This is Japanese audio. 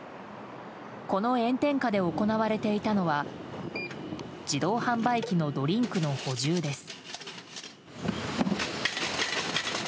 この炎天下で行われていたのは自動販売機のドリンクの補充です。